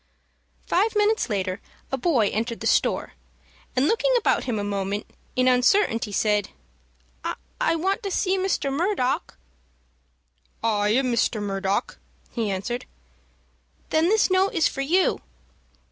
Five minutes later a boy entered the store, and, looking about him a moment in uncertainty, said, "I want to see Mr. Murdock." "I am Mr. Murdock," he answered. "Then this note is for you."